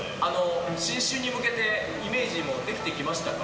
新春に向けてイメージはできてきましたか？